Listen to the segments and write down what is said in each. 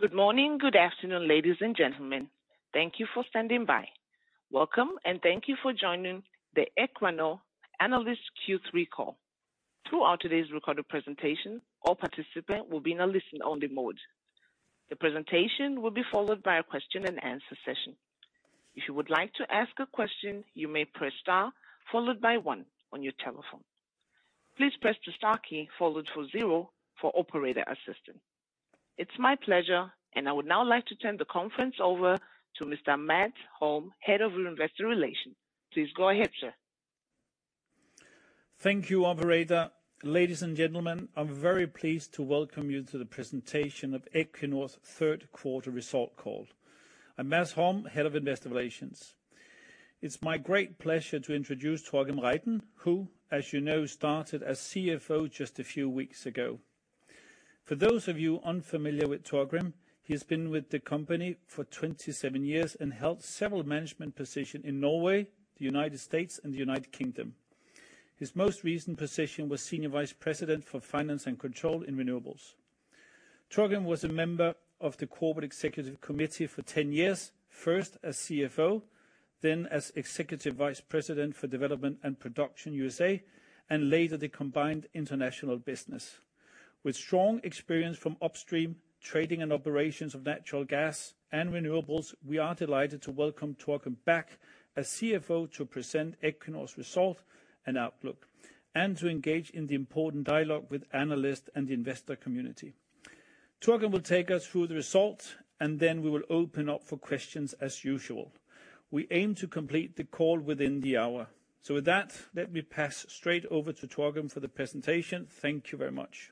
Good morning, good afternoon, ladies and gentlemen. Thank you for standing by. Welcome, and thank you for joining the Equinor Analyst Q3 call. Throughout today's recorded presentation all participants will be in a listen-only mode. The presentation will be followed by a question and answer session. If you would like to ask a question, you may press star followed by one on your telephone. Please press the star key followed by zero for operator assistance. It's my pleasure, and I would now like to turn the conference over to Mr. Mads Holm, Head of Investor Relations. Please go ahead, sir. Thank you, operator. Ladies and gentlemen, I'm very pleased to welcome you to the presentation of Equinor's third quarter results call. I'm Mads Holm, Head of Investor Relations. It's my great pleasure to introduce Torgrim Reitan. Who, as you know, started as CFO just a few weeks ago. For those of you unfamiliar with Torgrim, he has been with the company for 27 years and held several management positions in Norway, the United States, and the United Kingdom. His most recent position was Senior Vice President for Finance and Control in Renewables. Torgrim was a member of the Corporate Executive Committee for 10 years, first as CFO then as Executive Vice President for Development and Production USA, and later the combined international business. With strong experience from upstream trading and operations of natural gas and renewables, we are delighted to welcome Torgrim back as CFO to present Equinor's result and outlook, and to engage in the important dialogue with analyst and investor community. Torgrim will take us through the results, and then we will open up for questions as usual. We aim to complete the call within the hour. With that, let me pass straight over to Torgrim for the presentation. Thank you very much.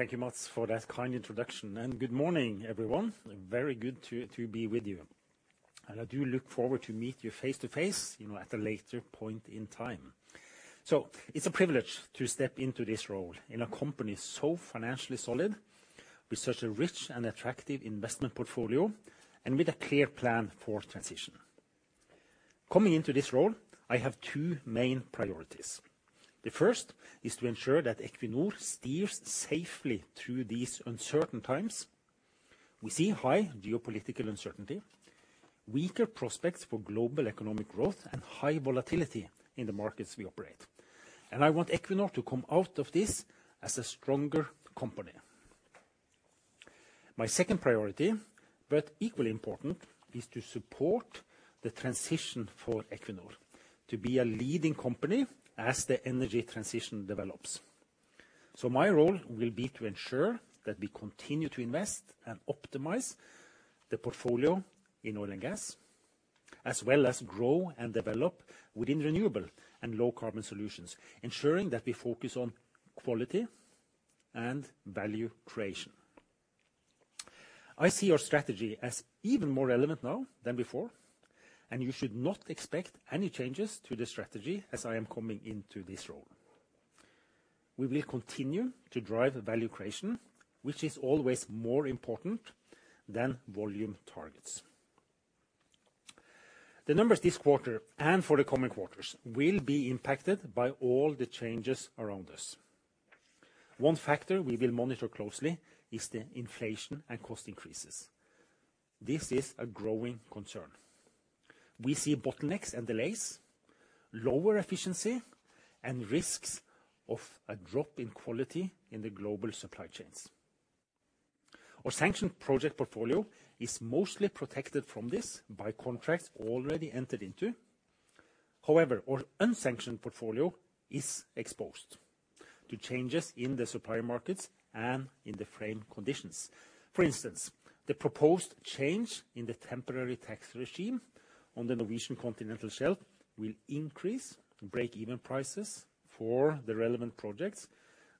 Thank you, Mads, for that kind introduction. Good morning, everyone. Very good to be with you. I do look forward to meet you face-to-face, you know, at a later point in time. It's a privilege to step into this role in a company so financially solid with such a rich and attractive investment portfolio and with a clear plan for transition. Coming into this role, I have two main priorities. The first is to ensure that Equinor steers safely through these uncertain times. We see high geopolitical uncertainty, weaker prospects for global economic growth, and high volatility in the markets we operate. I want Equinor to come out of this as a stronger company. My second priority but equally important is to support the transition for Equinor to be a leading company as the energy transition develops. My role will be to ensure that we continue to invest and optimize the portfolio in oil and gas, as well as grow and develop within renewable and low carbon solutions ensuring that we focus on quality and value creation. I see our strategy as even more relevant now than before, and you should not expect any changes to the strategy as I am coming into this role. We will continue to drive value creation, which is always more important than volume targets. The numbers this quarter and for the coming quarters will be impacted by all the changes around us. One factor we will monitor closely is the inflation and cost increases. This is a growing concern. We see bottlenecks and delays, lower efficiency, and risks of a drop in quality in the global supply chains. Our sanctioned project portfolio is mostly protected from this by contracts already entered into. However, our unsanctioned portfolio is exposed to changes in the supplier markets and in the frame conditions. For instance, the proposed change in the temporary tax regime on the Norwegian Continental Shelf will increase break-even prices for the relevant projects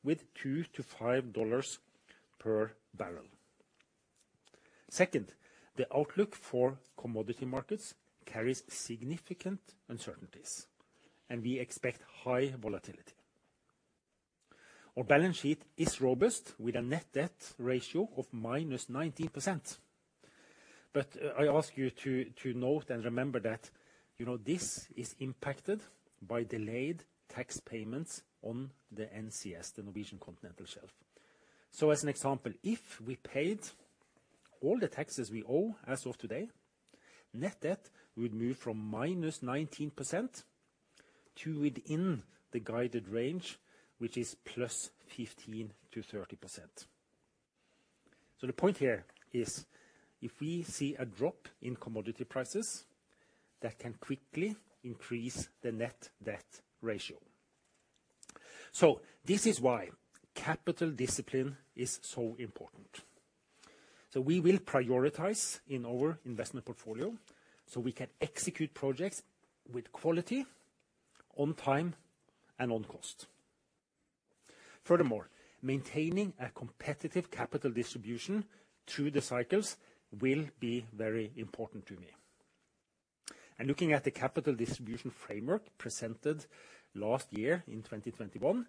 with $2-$5 per barrel. Second, the outlook for commodity markets carries significant uncertainties, and we expect high volatility. Our balance sheet is robust with a net debt ratio of -19%. I ask you to note and remember that, you know, this is impacted by delayed tax payments on the NCS the Norwegian Continental Shelf. As an example, if we paid all the taxes we owe as of today net debt would move from -19% to within the guided range which is +15%-30%. The point here is if we see a drop in commodity prices, that can quickly increase the net debt ratio. This is why capital discipline is so important. We will prioritize in our investment portfolio, so we can execute projects with quality on time and on cost. Furthermore, maintaining a competitive capital distribution through the cycles will be very important to me. Looking at the capital distribution framework presented last year in 2021,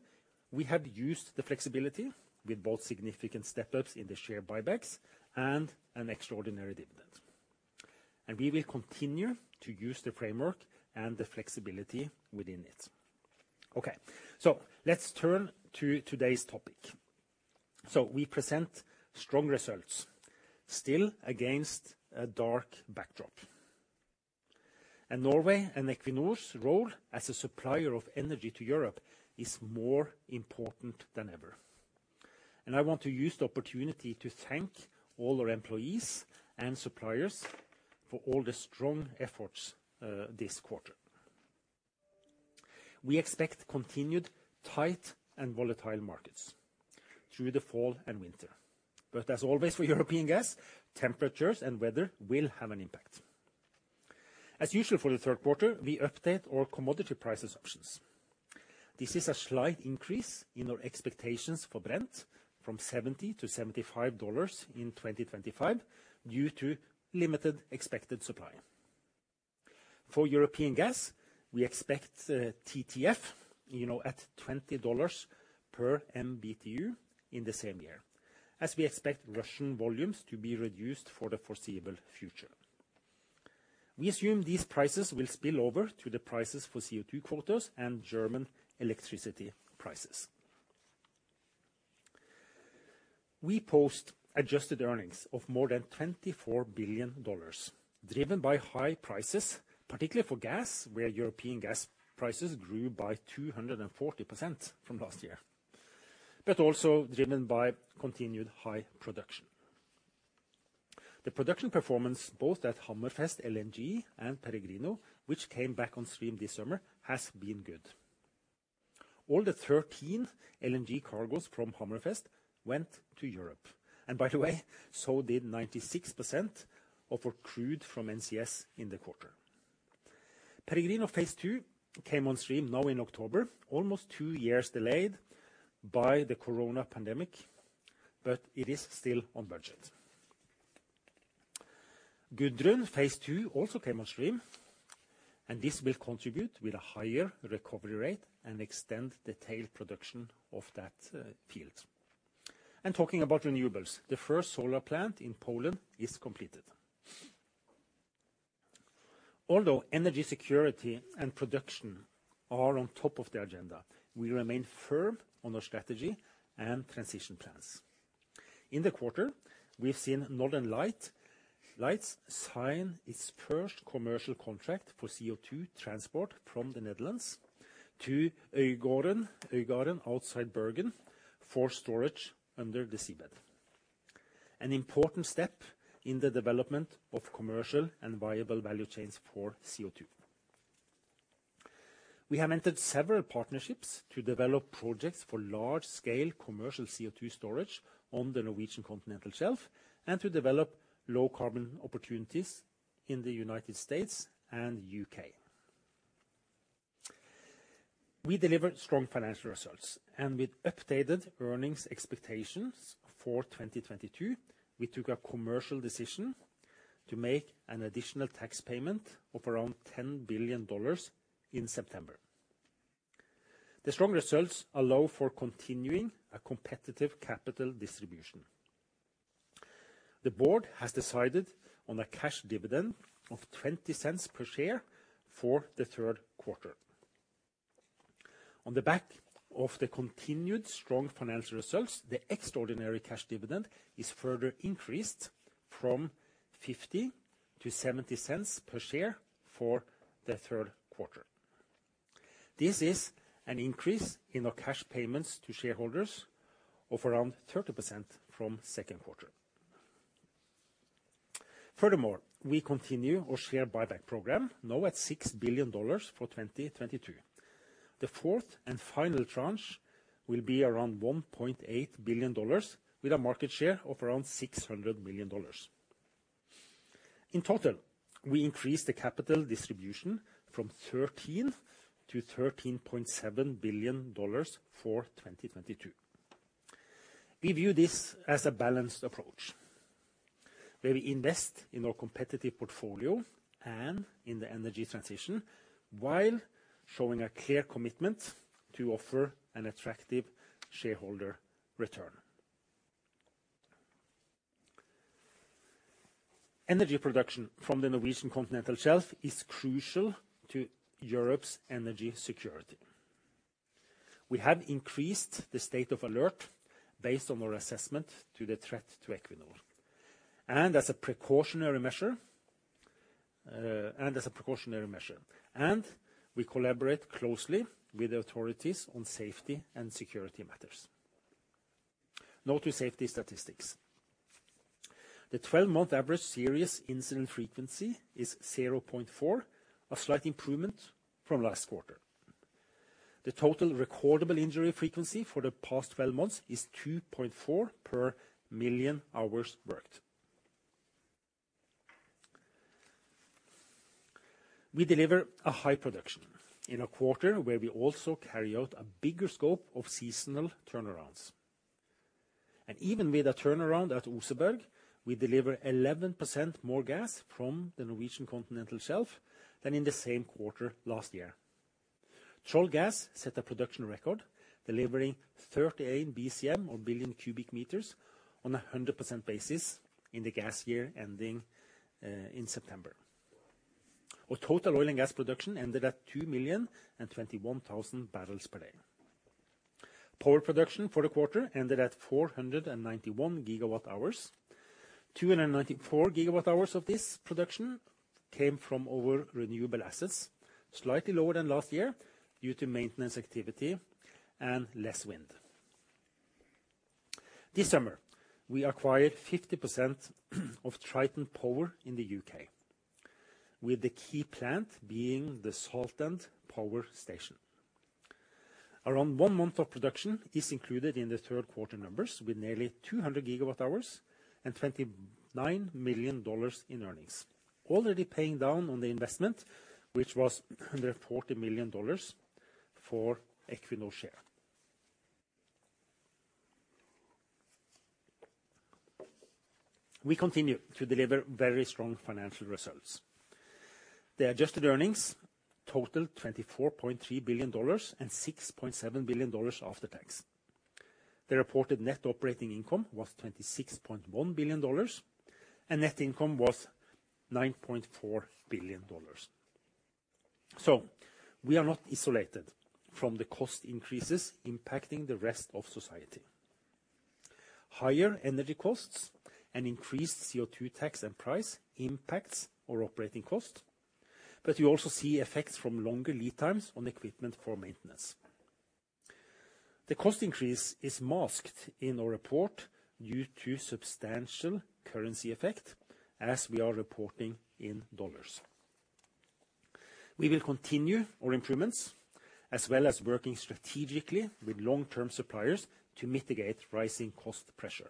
we have used the flexibility with both significant step-ups in the share buybacks and an extraordinary dividend. We will continue to use the framework and the flexibility within it. Okay. Let's turn to today's topic. We present strong results, still against a dark backdrop. Norway and Equinor's role as a supplier of energy to Europe is more important than ever. I want to use the opportunity to thank all our employees and suppliers for all the strong efforts this quarter. We expect continued tight and volatile markets through the fall and winter. As always, for European gas, temperatures and weather will have an impact. As usual for the third quarter, we update our commodity prices options. This is a slight increase in our expectations for Brent from $70-$75 in 2025 due to limited expected supply. For European gas we expect TTF, you know, at $20 per MBtu in the same year, as we expect Russian volumes to be reduced for the foreseeable future. We assume these prices will spill over to the prices for CO₂ quarters and German electricity prices. We post adjusted earnings of more than $24 billion, driven by high prices, particularly for gas, where European gas prices grew by 240% from last year but also driven by continued high production. The production performance both at Hammerfest LNG and Peregrino, which came back on stream this summer has been good. All the 13 LNG cargos from Hammerfest went to Europe. By the way, so did 96% of our crude from NCS in the quarter. Peregrino Phase II came on stream now in October, almost two years delayed by the Corona Pandemic but it is still on budget. Gudrun Phase II also came on stream, and this will contribute with a higher recovery rate and extend the tail production of that field. Talking about renewables, the first solar plant in Poland is completed. Although energy security and production are on top of the agenda, we remain firm on our strategy and transition plans. In the quarter, we've seen Northern Lights sign its first commercial contract for CO₂ transport from the Netherlands to Øygarden outside Bergen for storage under the seabed. An important step in the development of commercial and viable value chains for CO₂. We have entered several partnerships to develop projects for large-scale commercial CO₂ storage on the Norwegian Continental Shelf and to develop low carbon opportunities in the United States and U.K. We deliver strong financial results, with updated earnings expectations for 2022. We took a commercial decision to make an additional tax payment of around $10 billion in September. The strong results allow for continuing a competitive capital distribution. The board has decided on a cash dividend of $0.20 per share for the third quarter. On the back of the continued strong financial results. The extraordinary cash dividend is further increased from $0.50 - $0.70 per share for the third quarter. This is an increase in our cash payments to shareholders of around 30% from second quarter. Furthermore, we continue our share buyback program now at $6 billion for 2022. The fourth and final tranche will be around $1.8 billion with a market share of around $600 million. In total, we increase the capital distribution from $13 billion-$13.7 billion for 2022. We view this as a balanced approach, where we invest in our competitive portfolio and in the energy transition while showing a clear commitment to offer an attractive shareholder return. Energy production from the Norwegian Continental Shelf is crucial to Europe's energy security. We have increased the state of alert based on our assessment to the threat to Equinor. As a precautionary measure, we collaborate closely with the authorities on safety and security matters. Now to safety statistics. The 12-month average serious incident frequency is 0.4 a slight improvement from last quarter. The total recordable injury frequency for the past 12 months is 2.4 per million hours worked. We deliver a high production in a quarter where we also carry out a bigger scope of seasonal turnarounds. Even with a turnaround at Oseberg, we deliver 11% more gas from the Norwegian Continental Shelf than in the same quarter last year. Troll set a production record delivering 38 BCM or billion cubic meters on a 100% basis in the gas year ending in September. Our total oil and gas production ended at 2 million barrels per day. Power production for the quarter ended at 491 GWh. 294 GWh of this production came from our renewable assets, slightly lower than last year due to maintenance activity and less wind. This summer, we acquired 50% of Triton Power in the U.K, with the key plant being the Saltend Power Station. Around one month of production is included in the third quarter numbers, with nearly 200 GWh and $29 million in earnings. Already paying down on the investment, which was under $40 million for Equinor share. We continue to deliver very strong financial results. The adjusted earnings totaled $24.3 billion and $6.7 billion after tax. The reported net operating income was $26.1 billion, and net income was $9.4 billion. We are not isolated from the cost increases impacting the rest of society. Higher energy costs and increased CO₂ tax and price impacts our operating cost, but you also see effects from longer lead times on equipment for maintenance. The cost increase is masked in our report due to substantial currency effect as we are reporting in dollars. We will continue our improvements as well as working strategically with long-term suppliers to mitigate rising cost pressure.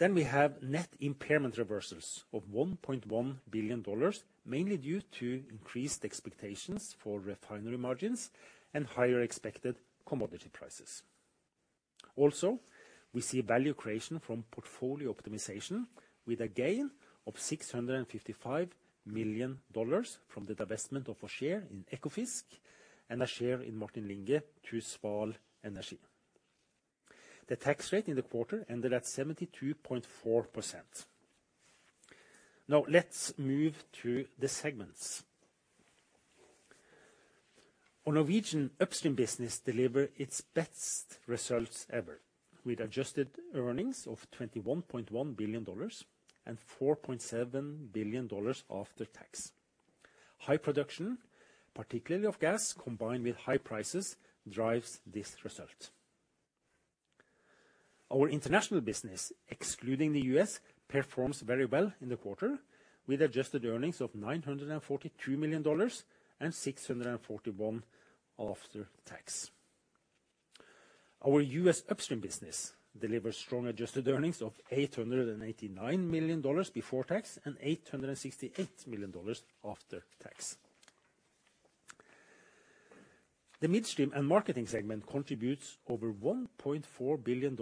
We have net impairment reversals of $1.1 billion, mainly due to increased expectations for refinery margins and higher expected commodity prices. Also, we see value creation from portfolio optimization with a gain of $655 million from the divestment of our share in Ekofisk and a share in Martin Linge to Sval Energi. The tax rate in the quarter ended at 72.4%. Now let's move to the segments. Our Norwegian upstream business deliver its best results ever with adjusted earnings of $21.1 billion and $4.7 billion after tax. High production, particularly of gas, combined with high prices, drives this result. Our international business, excluding the U.S. performs very well in the quarter with adjusted earnings of $942 million and $641 million after tax. Our US upstream business delivers strong adjusted earnings of $889 million before tax and $868 million after tax. The midstream and marketing segment contributes over $1.4 billion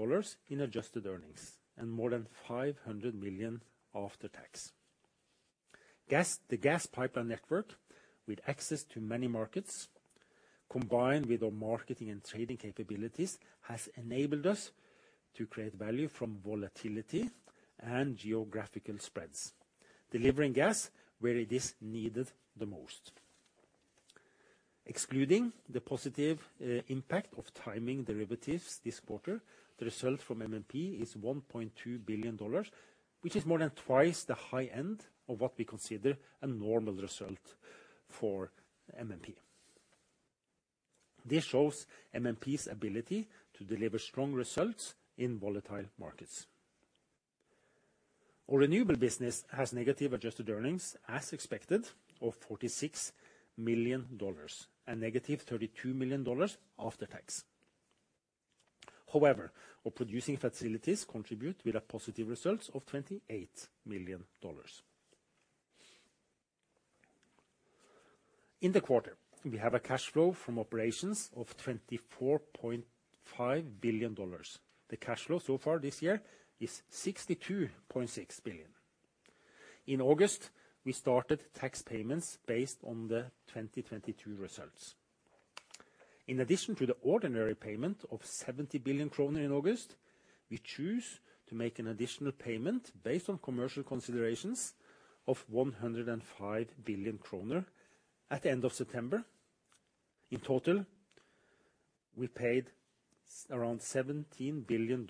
in adjusted earnings and more than $500 million after tax. Gas. The gas pipeline network with access to many markets, combined with our marketing and trading capabilities, has enabled us to create value from volatility and geographical spreads delivering gas where it is needed the most. Excluding the positive impact of timing derivatives this quarter the result from MMP is $1.2 billion, which is more than twice the high end of what we consider a normal result for MMP. This shows MMP's ability to deliver strong results in volatile markets. Our renewable business has negative adjusted earnings as expected of $46 million and negative $32 million after tax. However, our producing facilities contribute with a positive result of $28 million. In the quarter, we have a cash flow from operations of $24.5 billion. The cash flow so far this year is $62.6 billion. In August. We started tax payments based on the 2022 results. In addition to the ordinary payment of 70 billion kroner in August, we choose to make an additional payment based on commercial considerations of 105 billion kroner at the end of September. In total, we paid around $17 billion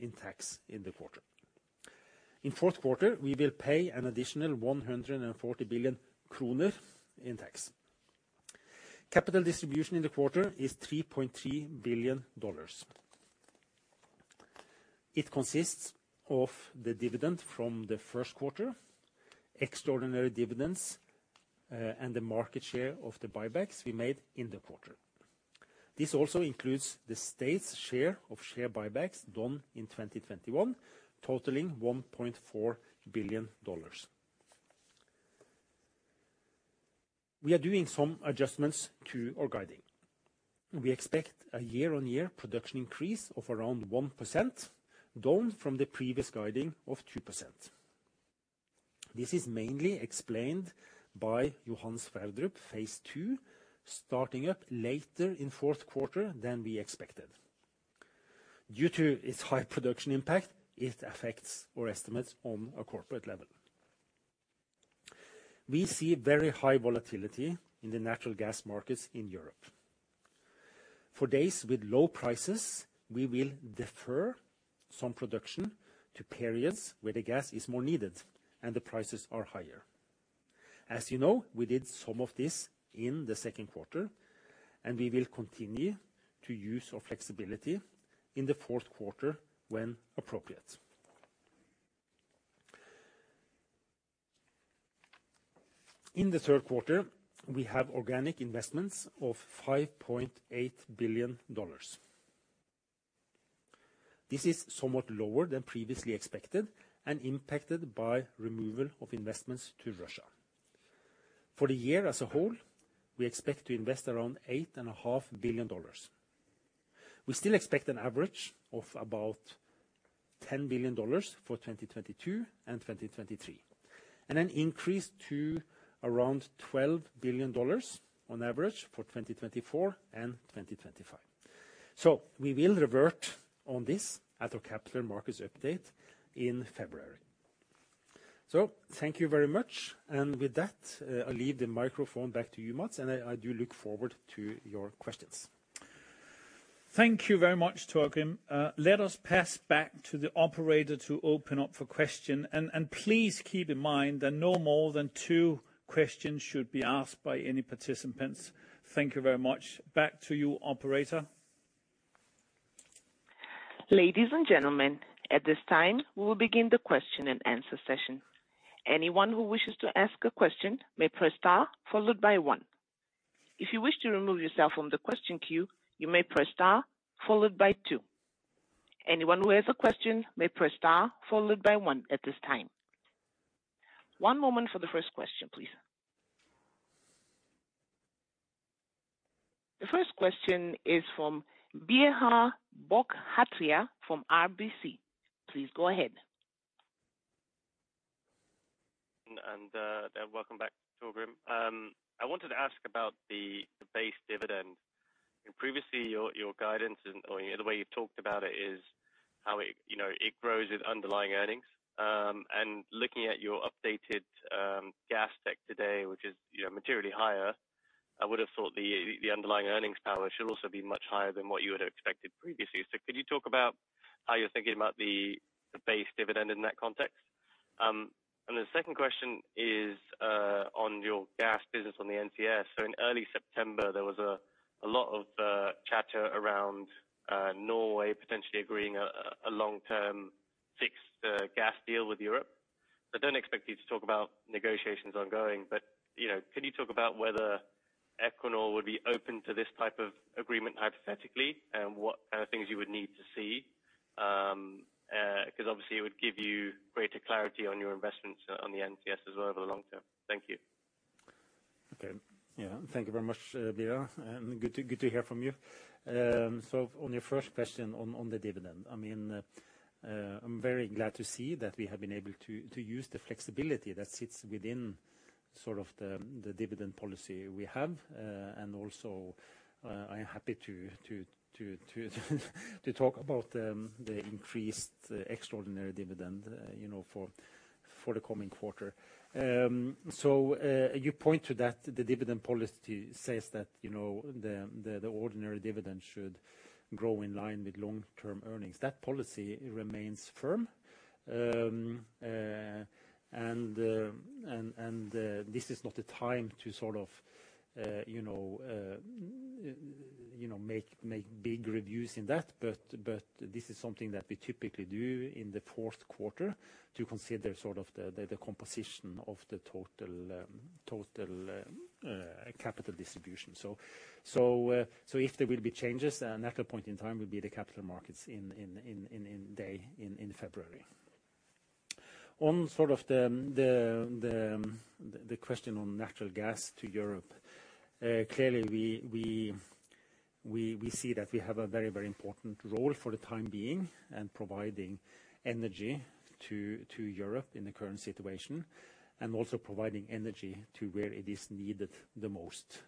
in tax in the quarter. In fourth quarter, we will pay an additional 140 billion kroner in tax. Capital distribution in the quarter is $3.3 billion. It consists of the dividend from the first quarter, extraordinary dividends, and the market share of the buybacks we made in the quarter. This also includes the state's share of share buybacks done in 2021, totaling $1.4 billion. We are doing some adjustments to our guidance. We expect a year-on-year production increase of around 1% down from the previous guidance of 2%. This is mainly explained by Johan Sverdrup Phase II starting up later in fourth quarter than we expected. Due to its high production impact, it affects our estimates on a corporate level. We see very high volatility in the natural gas markets in Europe. For days with low prices, we will defer some production to periods where the gas is more needed and the prices are higher. As you know, we did some of this in the second quarter, and we will continue to use our flexibility in the fourth quarter when appropriate. In the third quarter, we have organic investments of $5.8 billion. This is somewhat lower than previously expected and impacted by removal of investments to Russia. For the year as a whole, we expect to invest around $8.5 billion. We still expect an average of about $10 billion for 2022 and 2023, and an increase to around $12 billion on average for 2024 and 2025. We will revert on this at our capital markets update in February. Thank you very much. With that, I leave the microphone back to you, Mads, and I do look forward to your questions. Thank you very much, Torgrim. Let us pass back to the operator to open up for questions, and please keep in mind that no more than two questions should be asked by any participants. Thank you very much. Back to you, operator. Ladies and gentlemen, at this time, we will begin the question and answer session. Anyone who wishes to ask a question may press star followed by one. If you wish to remove yourself from the question queue, you may press star followed by two. Anyone who has a question may press star followed by one at this time. One moment for the first question, please. The first question is from Biraj Borkhataria from RBC. Please go ahead. Welcome back, Torgrim. I wanted to ask about the base dividend. Previously, your guidance or the way you've talked about it is how it, you know, it grows with underlying earnings. Looking at your updated gas tech today, which is, you know, materially higher. I would have thought the underlying earnings power should also be much higher than what you would have expected previously. Could you talk about how you're thinking about the base dividend in that context? The second question is on your gas business on the NCS. In early September, there was a lot of chatter around Norway potentially agreeing a long-term fixed gas deal with Europe. I don't expect you to talk about negotiations ongoing but, you know, can you talk about whether Equinor would be open to this type of agreement hypothetically? What kind of things you would need to see? 'Cause obviously it would give you greater clarity on your investments on the NCS as well over the long term. Thank you. Okay. Yeah. Thank you very much, Biraj, and good to hear from you. On your first question on the dividend, I mean, I'm very glad to see that we have been able to use the flexibility that sits within sort of the dividend policy we have. Also, I am happy to talk about the increased extraordinary dividend, you know, for the coming quarter. You point to that the dividend policy says that, you know, the ordinary dividend should grow in line with long-term earnings. That policy remains firm. This is not the time to sort of, you know, you know, make big reviews in that, but this is something that we typically do in the fourth quarter to consider sort of the composition of the total capital distribution. If there will be changes, then at that point in time we will be the Capital Markets Day in February. On the question on natural gas to Europe, clearly we see that we have a very important role for the time being and providing energy to Europe in the current situation, and also providing energy to where it is needed the most.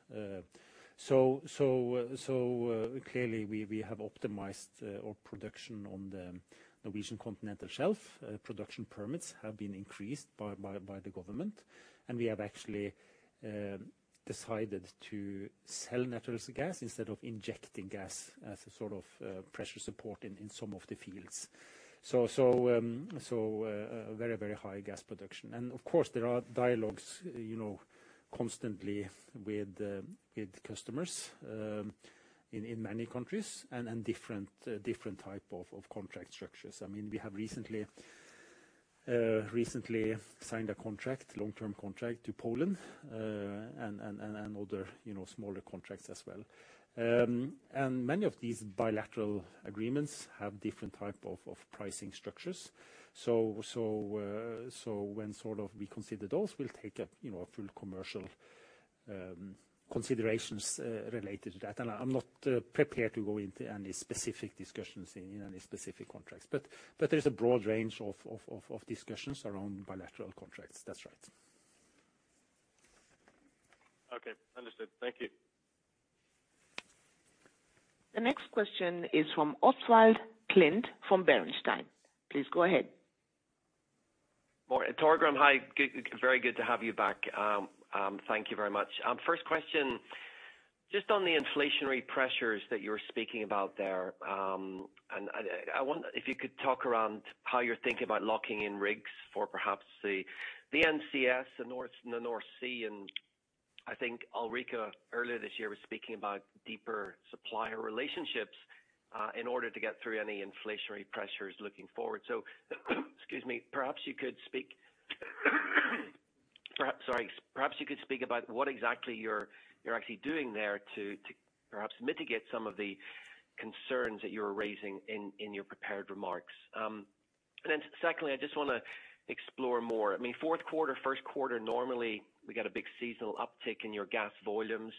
Clearly, we have optimized our production on the Norwegian Continental Shelf. Production permits have been increased by the government. We have actually decided to sell natural gas instead of injecting gas as a sort of pressure support in some of the fields. Very high gas production. Of course, there are dialogues, you know, constantly with customers in many countries and different type of contract structures. I mean, we have recently signed a contract, long-term contract to Poland and other, you know, smaller contracts as well. Many of these bilateral agreements have different type of pricing structures. When sort of we consider those, we'll take a, you know, a full commercial considerations related to that. I'm not prepared to go into any specific discussions in any specific contracts. There's a broad range of discussions around bilateral contracts. That's right. Okay. Understood. Thank you. The next question is from Oswald Clint from Bernstein. Please go ahead. Morning. Torgrim, hi. Very good to have you back. Thank you very much. First question, just on the inflationary pressures that you were speaking about there, and I wonder if you could talk around how you're thinking about locking in rigs for perhaps the NCS, the North Sea, and I think Ulrica earlier this year was speaking about deeper supplier relationships in order to get through any inflationary pressures looking forward. Excuse me, perhaps you could speak about what exactly you're actually doing there to perhaps mitigate some of the concerns that you're raising in your prepared remarks. And then secondly, I just wanna explore more. I mean, fourth quarter, first quarter, normally we get a big seasonal uptick in your gas volumes,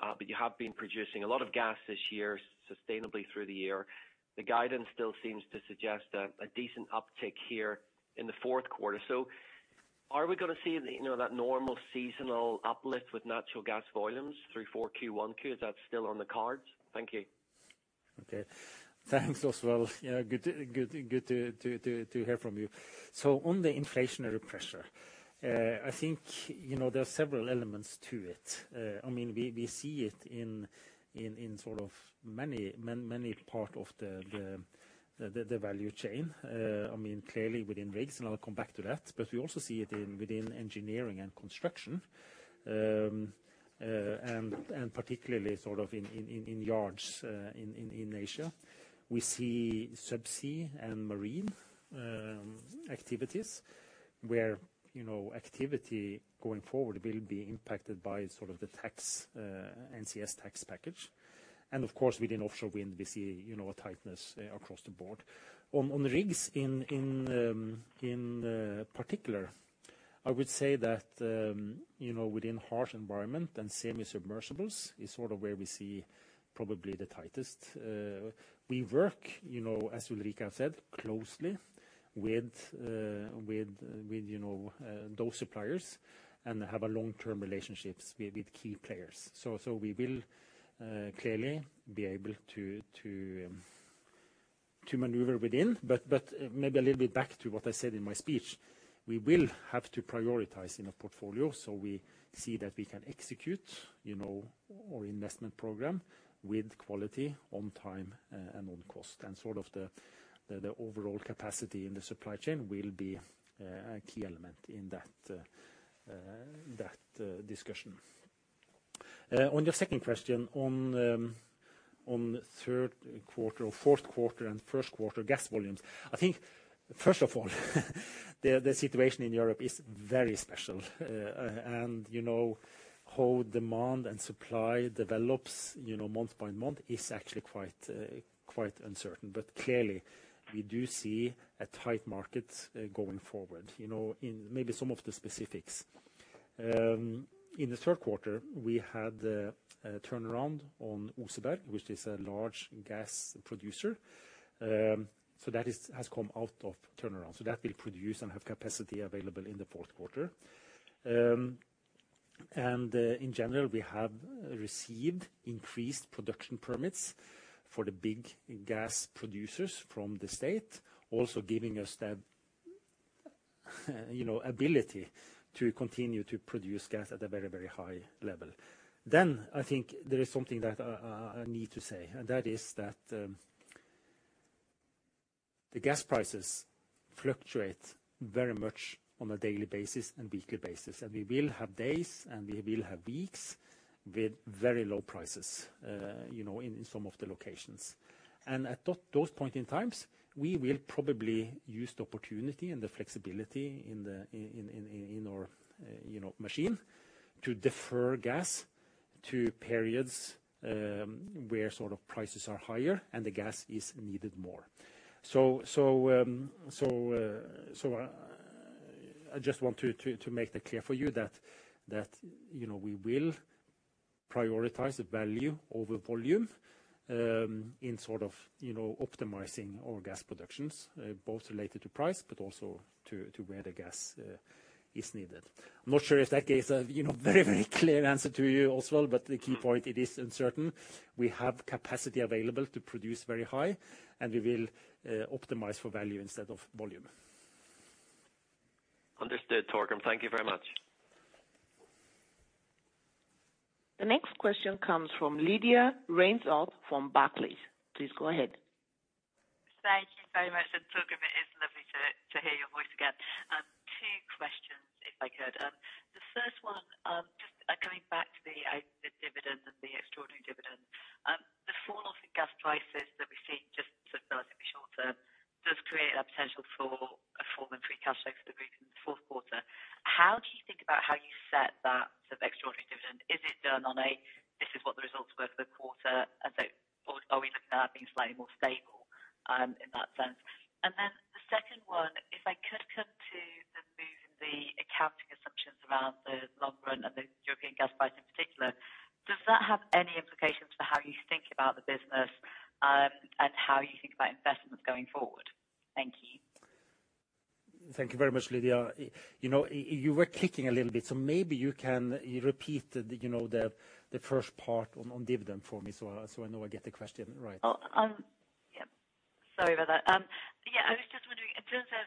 but you have been producing a lot of gas this year, sustainably through the year. The guidance still seems to suggest a decent uptick here in the fourth quarter. Are we gonna see, you know, that normal seasonal uplift with natural gas volumes through 4Q, 1Q? Is that still on the cards? Thank you. Okay. Thanks, Oswald. Yeah, good to hear from you. On the inflationary pressure, I think, you know, there are several elements to it. I mean, we see it in sort of many parts of the value chain. I mean, clearly within rigs, and I'll come back to that. We also see it within engineering and construction, and particularly sort of in yards in Asia. We see subsea and marine activities where, you know, activity going forward will be impacted by sort of the NCS tax package. Of course, within offshore wind, we see, you know, a tightness across the board. On the rigs in particular, I would say that, you know, within harsh environments and semi-submersibles is sort of where we see probably the tightest. We work, you know, as Ulrica said, closely with those suppliers and have a long-term relationship with key players. We will clearly be able to maneuver within. But maybe a little bit back to what I said in my speech, we will have to prioritize in a portfolio. So, we see that we can execute, you know, our investment program with quality on time and on cost. The overall capacity in the supply chain will be a key element in that discussion. On your second question on third quarter or fourth quarter and first quarter gas volumes. I think first of all, the situation in Europe is very special. You know, how demand and supply develops, you know, month by month is actually quite uncertain. Clearly, we do see a tight market going forward, you know, in maybe some of the specifics. In the third quarter, we had the turnaround on Oseberg, which is a large gas producer. That has come out of turnaround. That will produce and have capacity available in the fourth quarter. In general, we have received increased production permits for the big gas producers from the state, also giving us the ability to continue to produce gas at a very high level. I think there is something that I need to say, and that is that the gas prices fluctuate very much on a daily basis and weekly basis. We will have days, and we will have weeks with very low prices, you know, in some of the locations. At those points in time, we will probably use the opportunity and the flexibility in our, you know, machine to defer gas to periods where sort of prices are higher and the gas is needed more. I just want to make that clear for you that, you know, we will prioritize the value over volume in sort of, you know, optimizing our gas productions both related to price, but also to where the gas is needed. I'm not sure if that gives a, you know, very, very clear answer to you, Oswald, but the key point, it is uncertain. We have capacity available to produce very high, and we will optimize for value instead of volume. Understood, Torgrim. Thank you very much. The next question comes from Lydia Rainforth from Barclays. Please go ahead. Thank you very much. Torgrim, it is lovely to hear your voice again. Two questions if I could. The first one, just going back to the dividend and the extraordinary dividend. The fall off in gas prices that we've seen just sort of now in the short term does create a potential for a fall in free cash flow for the group in the fourth quarter. How do you think about how you set that sort of extraordinary dividend? Is it done on a, this is what the results were for the quarter? To the move in the accounting assumptions around the long run of the European gas price in particular, does that have any implications for how you think about the business, and how you think about investments going forward? Thank you. Thank you very much, Lydia. You know, you were kicking a little bit, so maybe you can repeat, you know, the first part on dividend for me, so I know I get the question right. Yep. Sorry about that. Yeah, I was just wondering, in terms of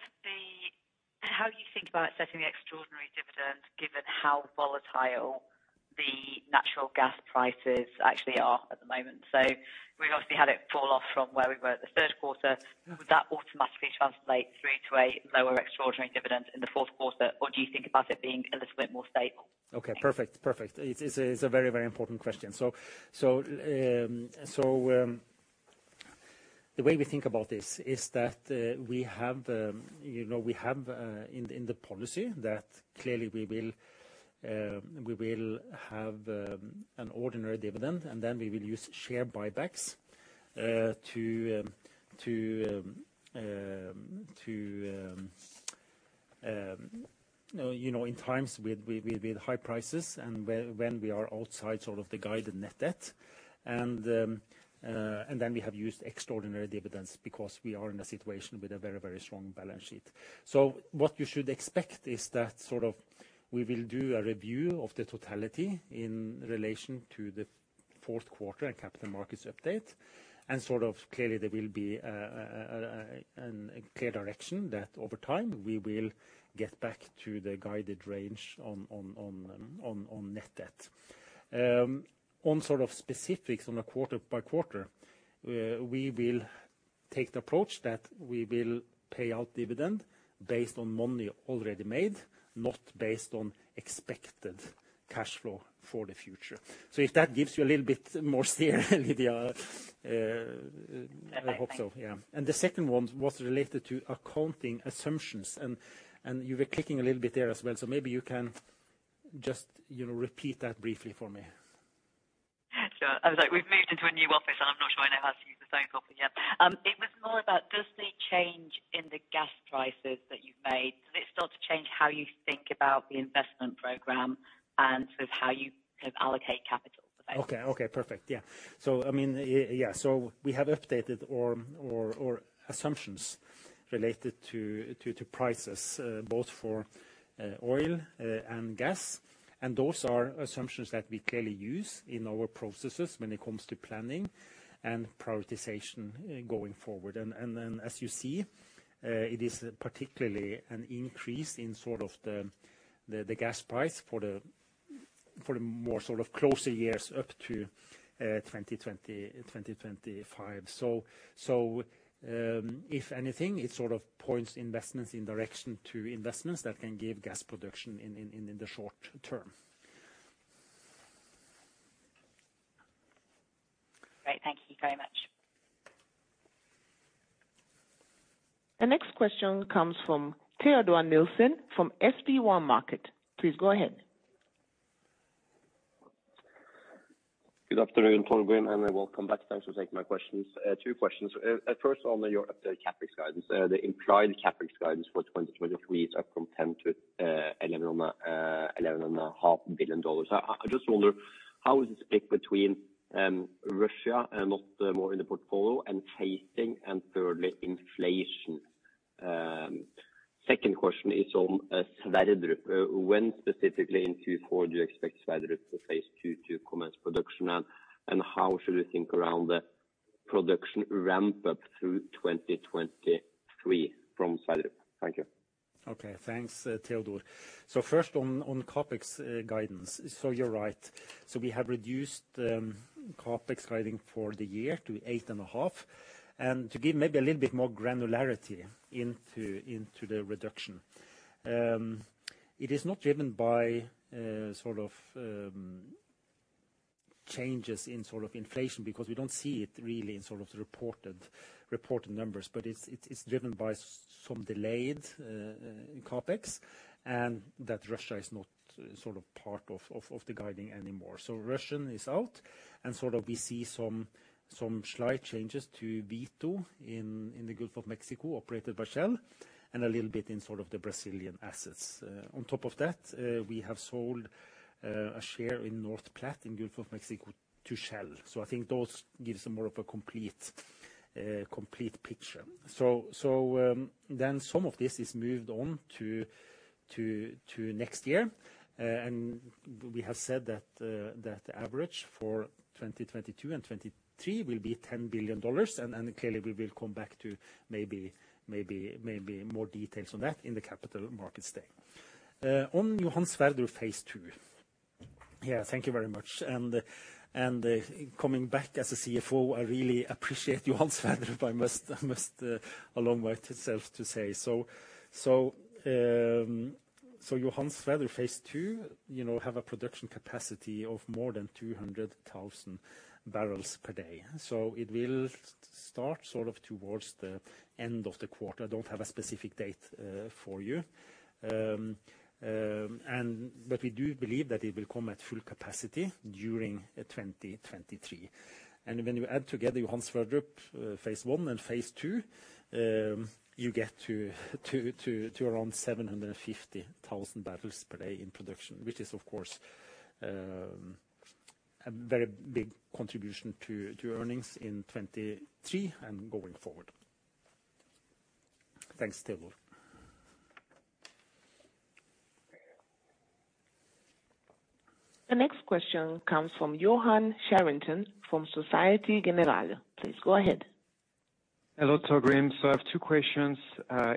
how you think about setting the extraordinary dividend, given how volatile the natural gas prices actually are at the moment. We've obviously had it fall off from where we were at the third quarter. Mm-hmm. Would that automatically translate through to a lower extraordinary dividend in the fourth quarter? Or do you think about it being a little bit more stable? Okay, perfect. It's a very important question. The way we think about this is that we have, you know, in the policy that clearly we will have an ordinary dividend, and then we will use share buybacks to, you know, in times with high prices and when we are outside sort of the guided net debt. We have used extraordinary dividends because we are in a situation with a very strong balance sheet. What you should expect is that sort of we will do a review of the totality in relation to the fourth quarter and capital markets update, and sort of clearly there will be a clear direction that over time, we will get back to the guided range on net debt. On sort of specifics on a quarter by quarter, we will take the approach that we will pay out dividend based on money already made, not based on expected cash flow for the future. If that gives you a little bit more steer, Lydia. Perfect, thanks. I hope so, yeah. The second one was related to accounting assumptions, and you were kicking a little bit there as well. Maybe you can just, you know, repeat that briefly for me. Sure. I was like, we've moved into a new office, and I'm not sure I know how to use the phone properly yet. It was more about does the change in the gas prices that you've made, does it start to change how you think about the investment program and sort of how you allocate capital for those? Okay. Perfect. Yeah. So I mean, yeah, so we have updated our assumptions related to prices, both for oil and gas. Those are assumptions that we clearly use in our processes when it comes to planning and prioritization going forward. As you see, it is particularly an increase in sort of the gas price for the more sort of closer years up to 2020, 2025. If anything, it sort of points investments in direction to investments that can give gas production in the short-term. Great. Thank you very much. The next question comes from Teodor Nilsen from SB1 Markets. Please go ahead. Good afternoon, Torgrim, and welcome back. Thanks for taking my questions. two questions. First, on your updated CapEx guidance, the implied CapEx guidance for 2023 is up from $10 billion-$11 billion on the $11.5 billion. I just wonder how is this split between Russia and not more in the portfolio and chasing and thirdly, inflation? Second question is on Sverdrup. When specifically in 2024 do you expect Sverdrup phase II to commence production, and how should we think around the production ramp up through 2023 from Sverdrup? Thank you. Okay. Thanks, Teodor Nilsen. First on CapEx guidance. You're right. We have reduced CapEx guidance for the year to $8.5 billion. To give maybe a little bit more granularity into the reduction, it is not driven by sort of changes in sort of inflation because we don't see it really in sort of the reported numbers, but it's driven by some delayed CapEx, and that Russia is not sort of part of the guiding anymore. Russian is out and sort of we see some slight changes to Vito in the Gulf of Mexico, operated by Shell, and a little bit in sort of the Brazilian assets. On top of that, we have sold a share in North Platte in Gulf of Mexico to Shell. I think those gives more of a complete picture. Then some of this is moved on to next year. We have said that the average for 2022 and 2023 will be $10 billion. Clearly we will come back to maybe more details on that in the Capital Markets Day. On Johan Sverdrup phase II. Yeah, thank you very much. Coming back as a CFO, I really appreciate Johan Sverdrup. I must a long way to self to say so. Johan Sverdrup phase II, you know, have a production capacity of more than 200,000 barrels per day. It will start sort of towards the end of the quarter. I don't have a specific date for you. We do believe that it will come at full capacity during 2023. When you add together Johan Sverdrup phase I and phase II, you get to around 750,000 barrels per day in production, which is of course a very big contribution to earnings in 2023 and going forward. Thanks, Teodor Sveen-Nilsen. The next question comes from Yoann Charenton from Société Générale. Please go ahead. Hello, Torgrim. I have two questions,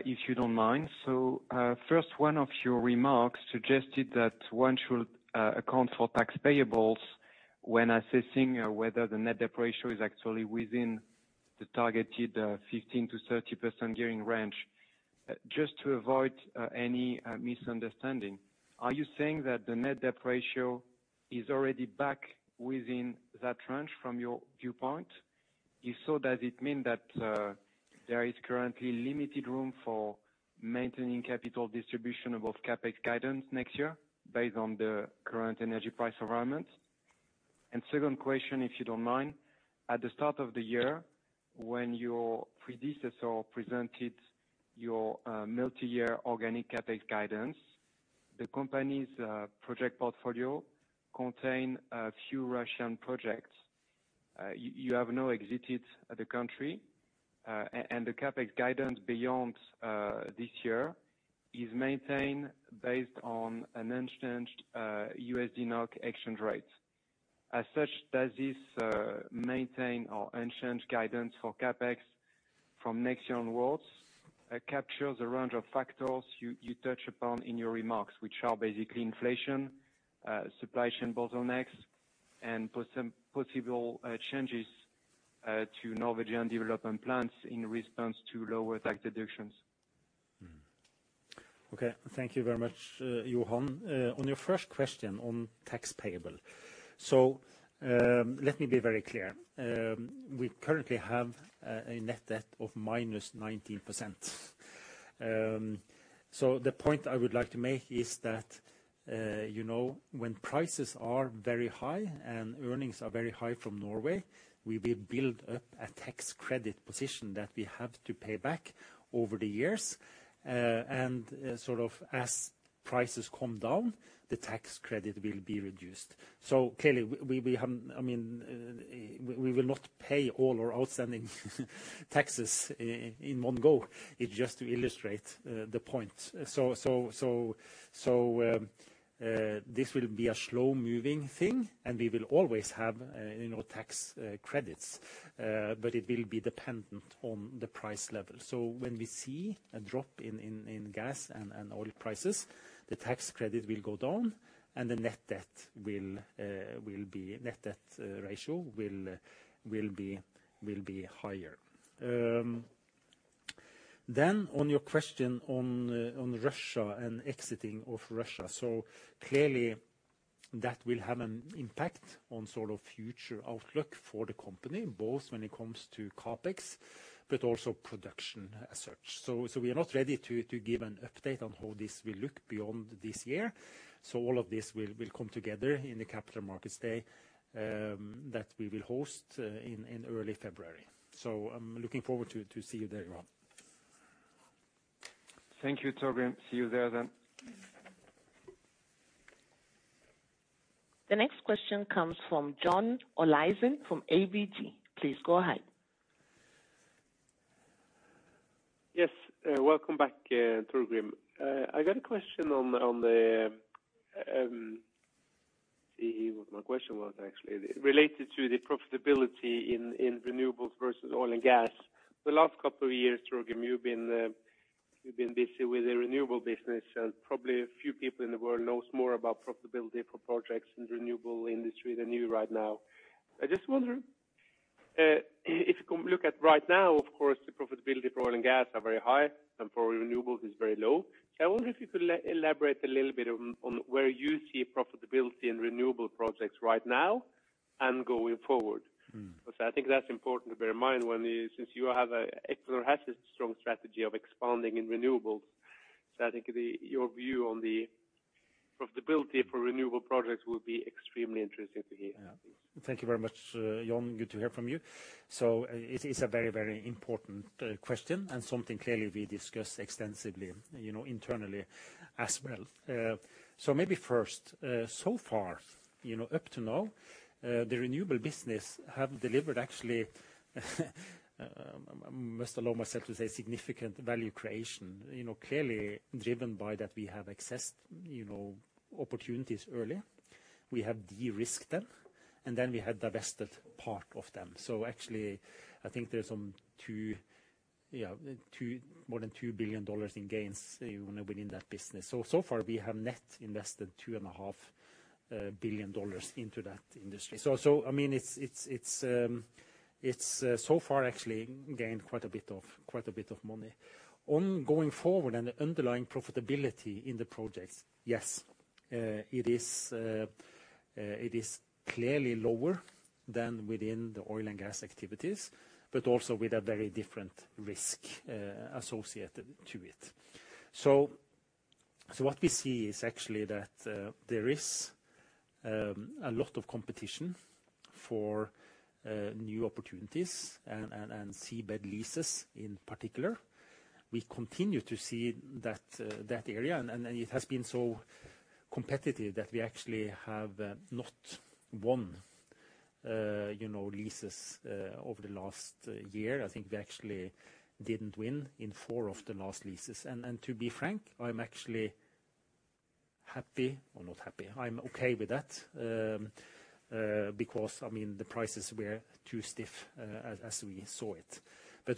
if you don't mind. First one of your remarks suggested that one should account for tax payables when assessing whether the net debt ratio is actually within the targeted 15%-30% gearing range. Just to avoid any misunderstanding, are you saying that the net debt ratio is already back within that range from your viewpoint? If so, does it mean that there is currently limited room for maintaining capital distribution above CapEx guidance next year based on the current energy price environment? Second question, if you don't mind. At the start of the year, when your predecessor presented your multi-year organic CapEx guidance, the company's project portfolio contained a few Russian projects. You have now exited the country, and the CapEx guidance beyond this year is maintained based on an unchanged USD/NOK exchange rate. As such, does this maintained unchanged guidance for CapEx from next year onwards capture the range of factors you touch upon in your remarks, which are basically inflation, supply chain bottlenecks and possible changes to Norwegian development plans in response to lower tax deductions? Okay. Thank you very much, Yoann Charenton. On your first question on tax payable. Let me be very clear. We currently have a net debt of -19%. The point I would like to make is that, you know, when prices are very high and earnings are very high from Norway. We will build up a tax credit position that we have to pay back over the years. Sort of as prices come down, the tax credit will be reduced. Clearly, I mean, we will not pay all our outstanding taxes in one go. It's just to illustrate the point. This will be a slow-moving thing, and we will always have, you know, tax credits, But it will be dependent on the price level. When we see a drop in gas and oil prices the tax credit will go down and the net debt ratio will be higher. On your question on Russia and exiting of Russia. Clearly that will have an impact on sort of future outlook for the company, both when it comes to CapEx but also production as such. We are not ready to give an update on how this will look beyond this year. All of this will come together in the Capital Markets Day that we will host in early February. I'm looking forward to see you there, Yoann Charenton. Thank you, Torgrim. See you there then. The next question comes from John Olaisen from ABG. Please go ahead. Yes. Welcome back, Torgrim. I got a question related to the profitability in renewables versus oil and gas. The last couple of years, Torgrim, you've been busy with the renewable business, and probably a few people in the world knows more about profitability for projects in renewable industry than you right now. I just wonder if you can look at right now, of course, the profitability for oil and gas are very high and for renewables is very low. I wonder if you could elaborate a little bit on where you see profitability in renewable projects right now and going forward. Mm. I think that's important to bear in mind. Equinor has a strong strategy of expanding in renewables. I think your view on the profitability for renewable projects will be extremely interesting to hear. Yeah. Thank you very much, Jon. Good to hear from you. It is a very, very important question and something clearly we discuss extensively, you know, internally as well. Maybe first, so far, you know, up to now, the renewable business have delivered actually, I must allow myself to say significant value creation, you know, clearly driven by that we have accessed, you know, opportunities early. We have de-risked them, and then we have divested part of them. Actually, I think there's some two, more than $2 billion in gains, you know, within that business. So far we have net invested $2.5 billion into that industry. I mean, it's so far actually gained quite a bit of money. Going forward and the underlying profitability in the projects, yes, it is clearly lower than within the oil and gas activities, but also with a very different risk associated to it. What we see is actually that there is a lot of competition for new opportunities and seabed leases in particular. We continue to see that area and then it has been so competitive that we actually have not won, you know, leases over the last year. I think we actually didn't win in four of the last leases. To be frank, I'm actually happy. Or not happy. I'm okay with that, because I mean, the prices were too stiff, as we saw it.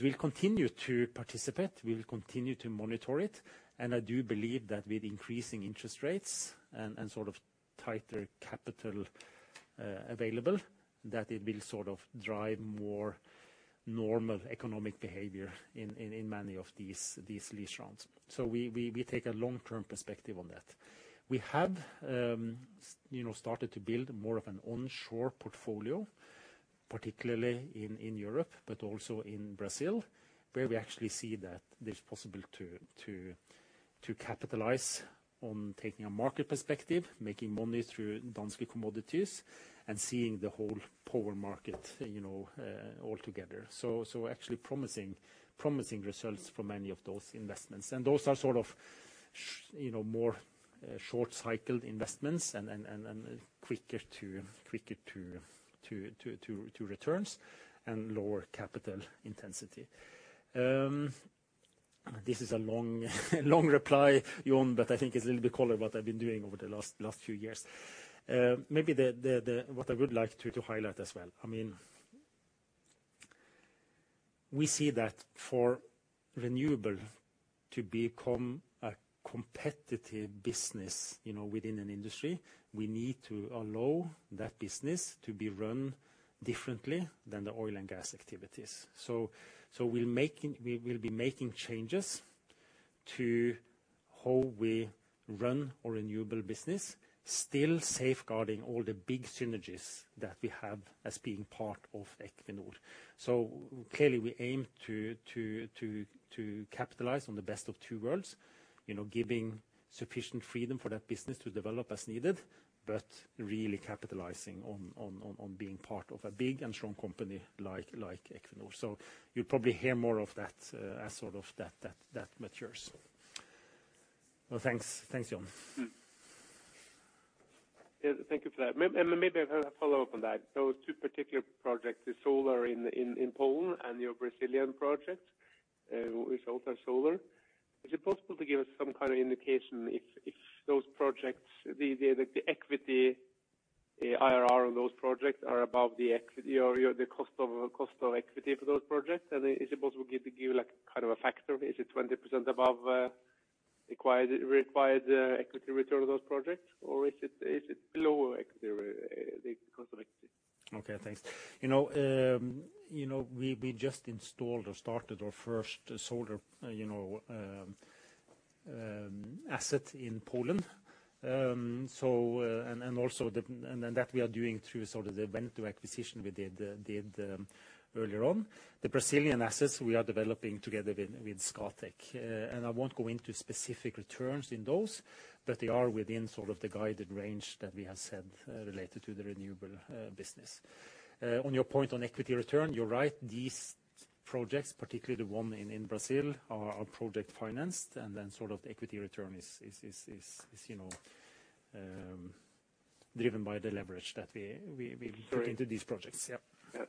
We'll continue to participate, we'll continue to monitor it, and I do believe that with increasing interest rates and sort of tighter capital available, that it will sort of drive more normal economic behavior in many of these lease rounds. We take a long-term perspective on that. We have, you know, started to build more of an onshore portfolio, particularly in Europe, but also in Brazil, where we actually see that there's possible to capitalize on taking a market perspective, making money through Danske Commodities and seeing the whole power market, you know, all together. Actually promising results for many of those investments. Those are sort of, you know, more short-cycled investments and quicker to returns and lower capital intensity. This is a long reply Jon, but I think it's a little bit of color on what I've been doing over the last few years. Maybe what I would like to highlight as well, I mean, we see that for renewables to become a competitive business, you know, within an industry. We need to allow that business to be run differently than the oil and gas activities. We'll be making changes to how we run our renewables business, still safeguarding all the big synergies that we have as being part of Equinor. Clearly we aim to capitalize on the best of two worlds, you know, giving sufficient freedom for that business to develop as needed but really capitalizing on being part of a big and strong company like Equinor. You'll probably hear more of that as sort of that matures. Well, thanks. Thanks, John. Yeah. Thank you for that. Maybe I have a follow-up on that. Those two particular projects, the solar in Poland and your Brazilian project, which is also solar. Is it possible to give us some kind of indication if those projects, the equity IRR on those projects are above the equity or your cost of equity for those projects? Is it possible to give like kind of a factor? Is it 20% above required equity return of those projects, or is it below the cost of equity? Okay, thanks. You know, we just installed or started our first solar you know asset in Poland. So, that we are doing through sort of the venture acquisition we did earlier on. The Brazilian assets we are developing together with Scatec. I won't go into specific returns in those, but they are within sort of the guided range that we have set related to the renewable business. On your point on equity return, you're right. These projects, particularly the one in Brazil, are project financed, and then sort of the equity return is you know driven by the leverage that we. Sure. Put into these projects. Yeah.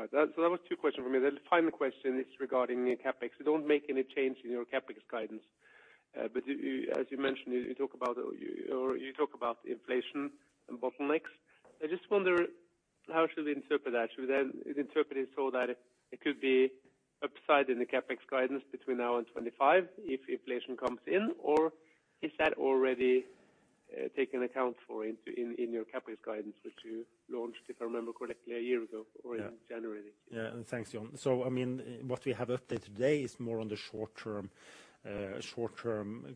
Yeah. All right. That was two questions from me. The final question is regarding the CapEx. You don't make any change in your CapEx guidance, but as you mentioned, you talk about inflation and bottlenecks. I just wonder how should we interpret that? Should we interpret it so that it could be upside in the CapEx guidance between now and 2025 if inflation comes in, or is that already taken into account in your CapEx guidance, which you launched, if I remember correctly, a year ago or in January? Yeah. Thanks, Jon. I mean, what we have updated today is more on the short-term CapEx.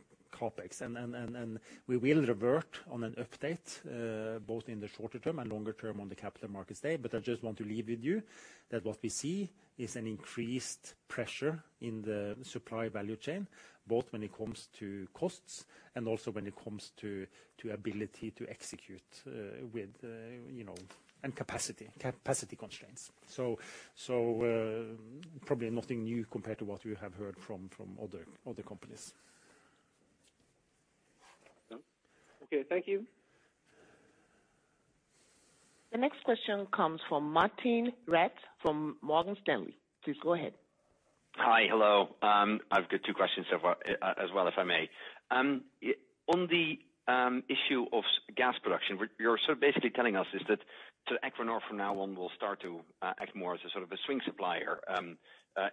And we will revert on an update both in the shorter term and longer term on the Capital Markets Day, but I just want to leave with you that what we see is an increased pressure in the supply value chain, both when it comes to costs and also when it comes to ability to execute, you know, and capacity constraints. So probably nothing new compared to what you have heard from other companies. No. Okay. Thank you. The next question comes from Martijn Rats from Morgan Stanley. Please go ahead. Hi. Hello. I've got two questions so far, as well, if I may. On the issue of gas production, what you're sort of basically telling us is that so Equinor from now on will start to act more as a sort of a swing supplier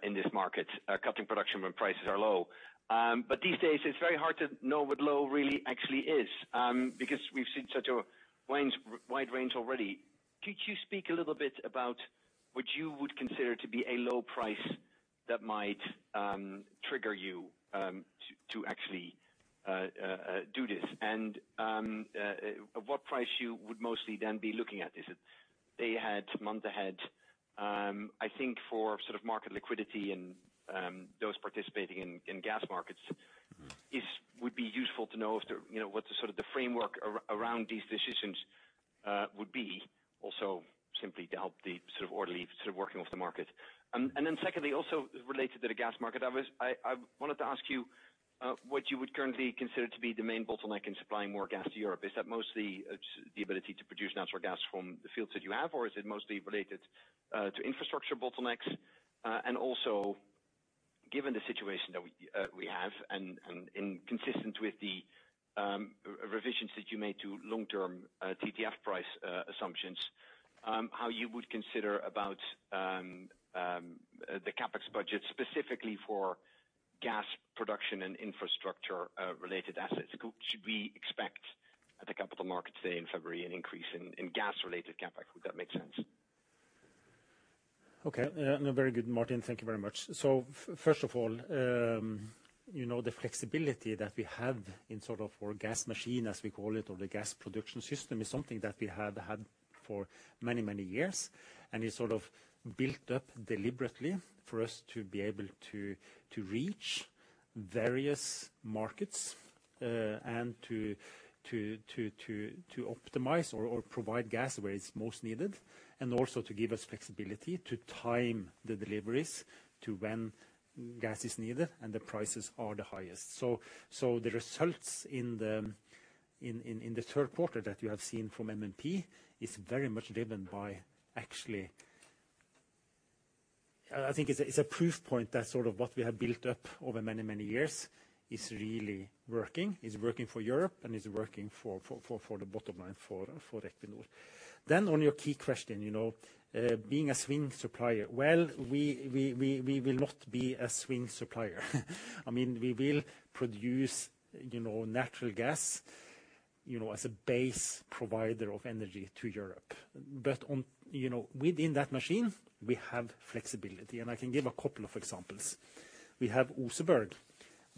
in this market, cutting production when prices are low. These days it's very hard to know what low really actually is, because we've seen such a wide range already. Could you speak a little bit about what you would consider to be a low price that might trigger you to actually do this? What price you would mostly then be looking at? Is it day ahead, month ahead? I think for sort of market liquidity and those participating in gas markets it would be useful to know if the, you know, what the sort of the framework around these decisions would be also simply to help the sort of orderly sort of working of the market. Secondly, also related to the gas market, I wanted to ask you what you would currently consider to be the main bottleneck in supplying more gas to Europe. Is that mostly the ability to produce natural gas from the fields that you have, or is it mostly related to infrastructure bottlenecks? Given the situation that we have and consistent with the revisions that you made to long-term TTF price assumptions, how you would consider about the CapEx budget specifically for gas production and infrastructure related assets. Should we expect at the capital markets day in February an increase in gas-related CapEx? Would that make sense? Okay. No, very good, Martin. Thank you very much. First of all, you know, the flexibility that we have in sort of our gas machine, as we call it, or the gas production system is something that we have had for many, many years and is sort of built up deliberately for us to be able to reach various markets and to optimize or provide gas where it's most needed and also to give us flexibility to time the deliveries to when gas is needed and the prices are the highest. The results in the third quarter that you have seen from MMP is very much driven by actually. I think it's a proof point that sort of what we have built up over many many years is really working. It's working for Europe, and it's working for the bottom line for Equinor. On your key question, you know, being a swing supplier, well, we will not be a swing supplier. I mean, we will produce, you know, natural gas, you know, as a base provider of energy to Europe. On, you know, within that machine we have flexibility. I can give a couple of examples. We have Oseberg,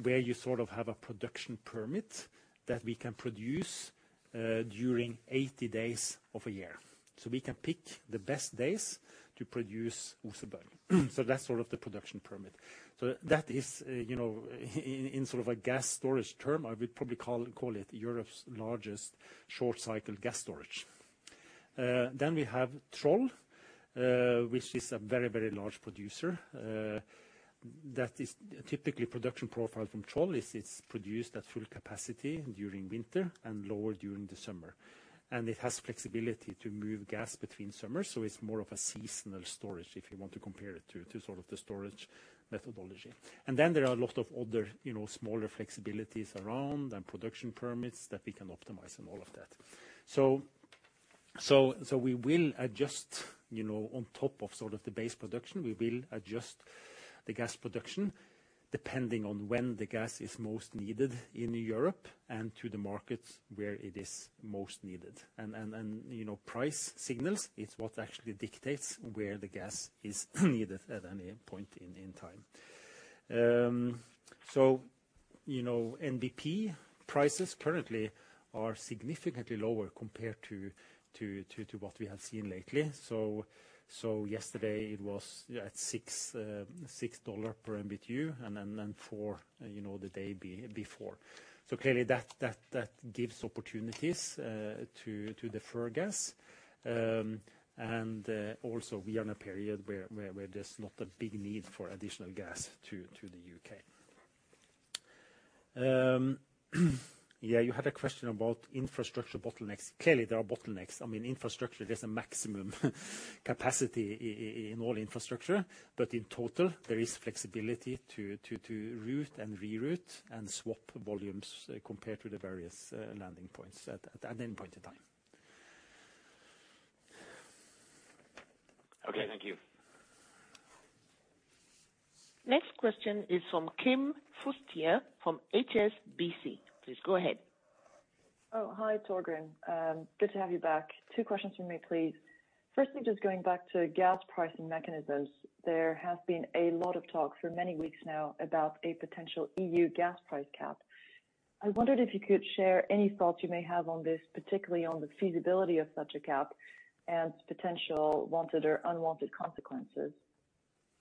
where you sort of have a production permit that we can produce during 80 days of a year. So we can pick the best days to produce Oseberg. So that's sort of the production permit. So that is, you know, in sort of a gas storage term, I would probably call it Europe's largest short cycle gas storage. We have Troll, which is a very large producer. That is typically production profile from Troll is it's produced at full capacity during winter and lower during the summer. It has flexibility to move gas between summers. So, it's more of a seasonal storage if you want to compare it to sort of the storage methodology. There are a lot of other, you know, smaller flexibilities around and production permits that we can optimize and all of that. We will adjust, you know, on top of sort of the base production, we will adjust the gas production depending on when the gas is most needed in Europe and to the markets where it is most needed. You know, price signals is what actually dictates where the gas is needed at any point in time. You know, NBP prices currently are significantly lower compared to what we have seen lately. Yesterday it was at $6 per BTU, and then $4, you know, the day before. Clearly that gives opportunities to defer gas. Also we are in a period where there's not a big need for additional gas to the UK. Yeah, you had a question about infrastructure bottlenecks. Clearly, there are bottlenecks. I mean, infrastructure, there's a maximum capacity in all infrastructure, but in total there is flexibility to route and reroute and swap volumes compared to the various landing points at any point in time. Okay, thank you. Next question is from Kim Fustier from HSBC. Please go ahead. Oh, hi, Torgrim. Good to have you back. Two questions from me please. Firstly, just going back to gas pricing mechanisms. There has been a lot of talk for many weeks now about a potential EU gas price cap. I wondered if you could share any thoughts you may have on this, particularly on the feasibility of such a cap and potential wanted or unwanted consequences.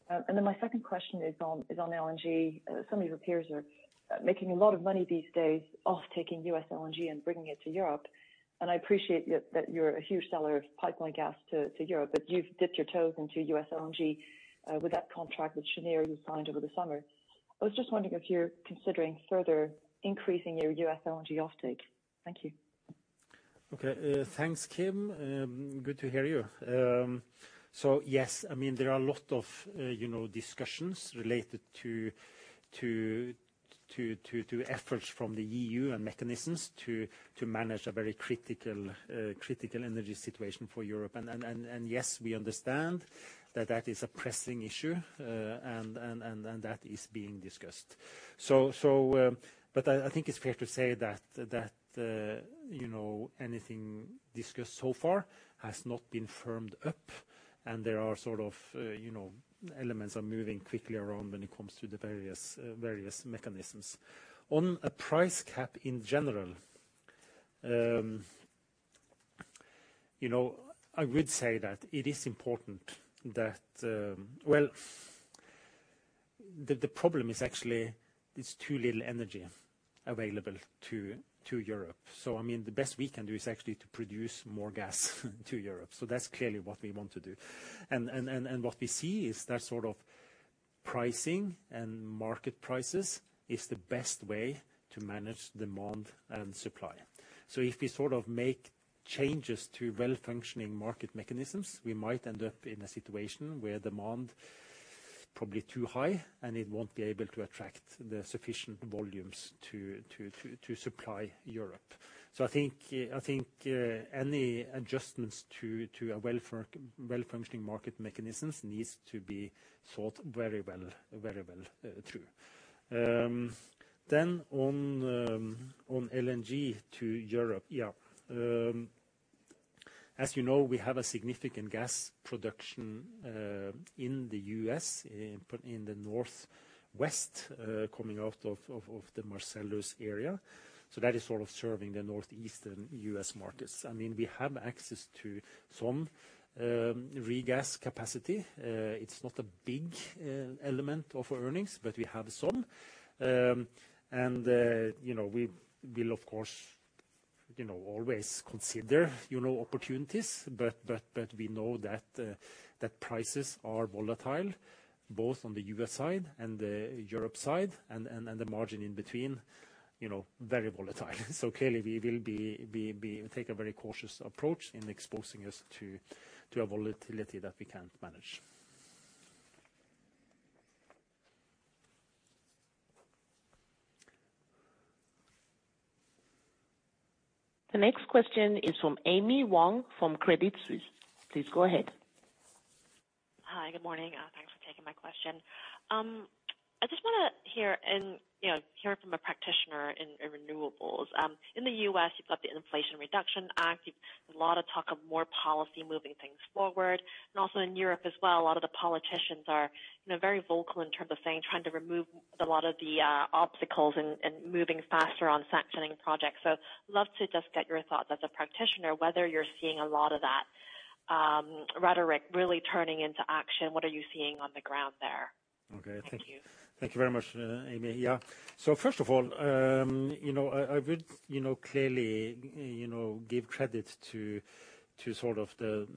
My second question is on LNG. Some of your peers are making a lot of money these days off taking U.S. LNG and bringing it to Europe. I appreciate that you're a huge seller of pipeline gas to Europe, but you've dipped your toes into U.S. LNG with that contract with Cheniere you signed over the summer. I was just wondering if you're considering further increasing your U.S. LNG offtake. Thank you. Okay. Thanks, Kim. Good to hear you. Yes, I mean, there are a lot of, you know, discussions related to efforts from the EU and mechanisms to manage a very critical energy situation for Europe. That is being discussed. I think it's fair to say that, you know, anything discussed so far has not been firmed up and there are sort of, you know, elements are moving quickly around when it comes to the various mechanisms. On a price cap in general, you know, I would say that it is important that. Well, the problem is actually it's too little energy available to Europe. I mean, the best we can do is actually to produce more gas to Europe. That's clearly what we want to do. What we see is that sort of pricing and market prices is the best way to manage demand and supply. If we sort of make changes to well-functioning market mechanisms. We might end up in a situation where demand probably too high and it won't be able to attract the sufficient volumes to supply Europe. I think any adjustments to a well-functioning market mechanisms needs to be thought very well through. On LNG to Europe. As you know, we have a significant gas production in the U.S. in the northwest coming out of the Marcellus area. That is sort of serving the northeastern US markets. I mean, we have access to some regas capacity. It's not a big element of earnings, but we have some. You know, we will of course, you know, always consider, you know, opportunities, but we know that prices are volatile both on the U.S. side and the European side and the margin in between, you know, very volatile. Clearly we will take a very cautious approach in exposing us to a volatility that we can't manage. The next question is from Amy Wong from Credit Suisse. Please go ahead. Hi, good morning. Thanks for taking my question. I just wanna hear, you know, from a practitioner in renewables. In the U.S. you've got the Inflation Reduction Act. You've a lot of talk of more policy moving things forward. Also in Europe as well, a lot of the politicians are, you know, very vocal in terms of saying, trying to remove a lot of the obstacles and moving faster on sanctioning projects. Love to just get your thoughts as a practitioner, whether you're seeing a lot of that rhetoric really turning into action. What are you seeing on the ground there? Okay. Thank you. Thank you very much, Amy. Yeah. First of all, you know, I would clearly give credit to sort of the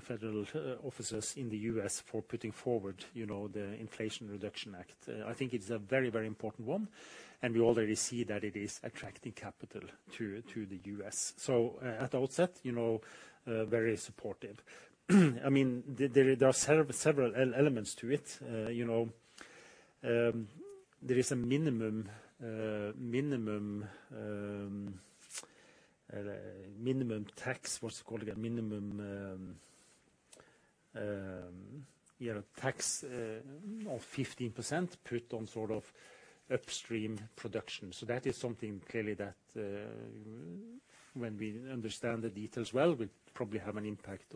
federal officers in the U.S. for putting forward, you know, the Inflation Reduction Act. I think it's a very important one, and we already see that it is attracting capital to the U.S. At outset, you know, very supportive. I mean, there are several elements to it. You know, there is a minimum tax. What's it called again? Minimum tax of 15% put on sort of upstream production. That is something clearly that when we understand the details well will probably have an impact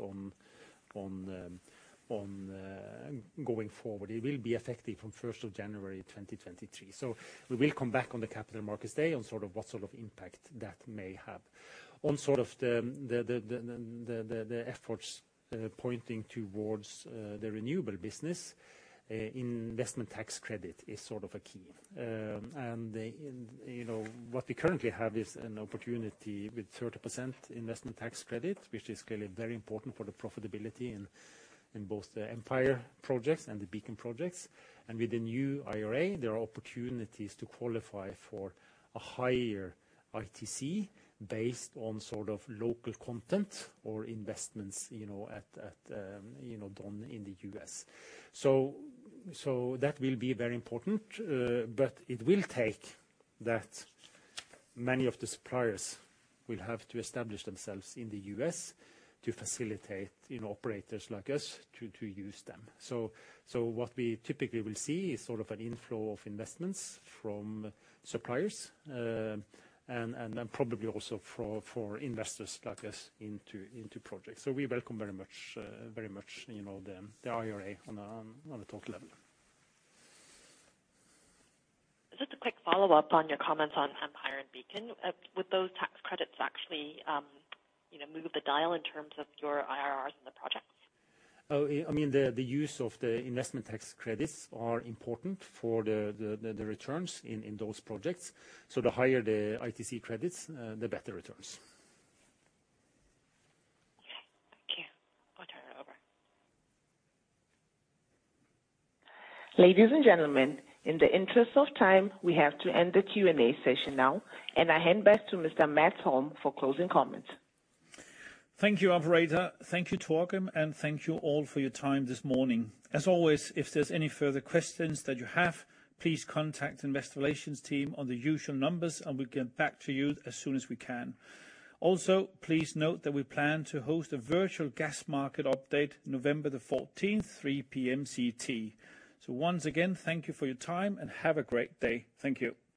on going forward. It will be effective from first of January, 2023. We will come back on the Capital Markets Day on sort of what sort of impact that may have. On sort of the efforts pointing towards the renewable business, investment tax credit is sort of a key. You know, what we currently have is an opportunity with 30% investment tax credit, which is clearly very important for the profitability in both the Empire projects and the Beacon projects. With the new IRA, there are opportunities to qualify for a higher ITC based on sort of local content or investments, you know, at done in the U.S. That will be very important, but it will take that many of the suppliers will have to establish themselves in the U.S. to facilitate, you know, operators like us to use them. What we typically will see is sort of an inflow of investments from suppliers and then probably also for investors like us into projects. We welcome very much, you know, the IRA on a top level. Just a quick follow-up on your comments on Empire Wind and Beacon Wind. Would those tax credits actually, you know, move the dial in terms of your IRRs in the projects? Oh, I mean, the use of the investment tax credits are important for the returns in those projects. The higher the ITC credits, the better returns. Okay. Thank you. I'll turn it over. Ladies and gentlemen, in the interest of time, we have to end the Q&A session now, and I hand back to Mr. Mads Holm for closing comments. Thank you, operator. Thank you, Torgrim, and thank you all for your time this morning. As always, if there's any further questions that you have, please contact Investor Relations team on the usual numbers, and we'll get back to you as soon as we can. Also, please note that we plan to host a virtual gas market update November the fourteenth, 3:00 P.M. CET. Once again, thank you for your time and have a great day. Thank you.